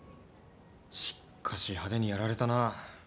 しっかし派手にやられたな。